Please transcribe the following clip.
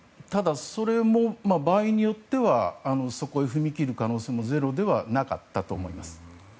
それは場合によってはそこへ踏み切る可能性もゼロではなかったと思います。